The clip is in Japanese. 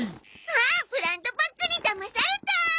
あブランドバッグにだまされた！